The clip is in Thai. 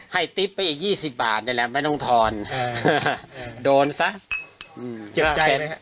ติ๊บไปอีก๒๐บาทนี่แหละไม่ต้องทอนโดนซะเจ็บใจ